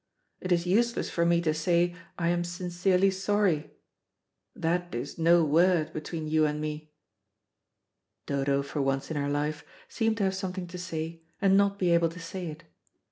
"It is useless for me to say I am sincerely sorry. That is no word between you and me." Dodo, for once in her life, seemed to have something to say, and not be able to say it.